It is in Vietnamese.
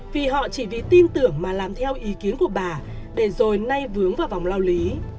vì họ chỉ vì tin tưởng mà làm theo ý kiến của bà để rồi nay vướng vào vòng lao lý